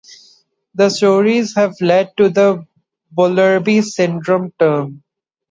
The stories have led to the "Bullerby Syndrome" term.